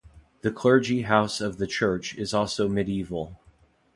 The clergy house of the church is also medieval.